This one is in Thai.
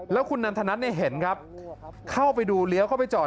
แล้วคุณนันทนัทเนี่ยเห็นครับเข้าไปดูเลี้ยวเข้าไปจอด